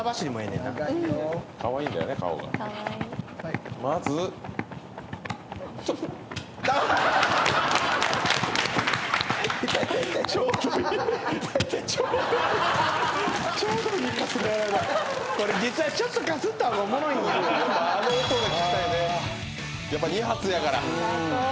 やっぱ２発やから」